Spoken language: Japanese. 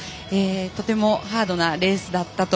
とてもハードなレースだったと。